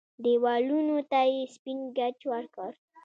دېوالونو ته يې سپين ګچ ورکړ.